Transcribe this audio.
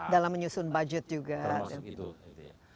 dalam menyusun budget juga